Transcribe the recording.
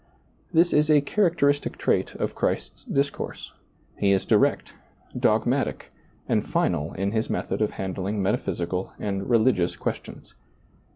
This is a characteristic trait of Christ's discourse ; He is direct, dogmatic, and final in His method of handling metaphysical and religious questions.